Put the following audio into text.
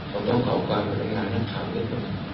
ผมต้องขอบความรู้สึกมากทั้งคำด้วยคุณ